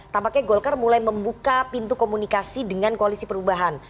tampaknya golkar mulai membuka pintu komunikasi dengan koalisi perubahan